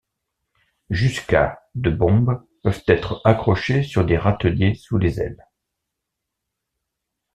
Jusqu'à de bombes peuvent être accrochés sur des râteliers sous les ailes.